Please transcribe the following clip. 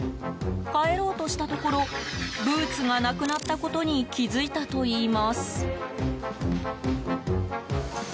帰ろうとしたところブーツがなくなったことに気づいたといいます。